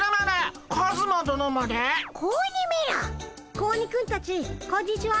子鬼くんたちこんにちは。